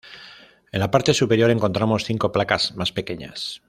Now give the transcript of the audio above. En la parte superior encontramos cinco placas más pequeñas.